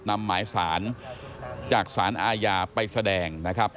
นำหมายสารจากสารอาญาไปแสดงนะครับ